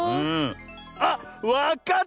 あっわかった！